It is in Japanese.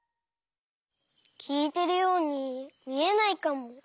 きいてるようにみえないかも。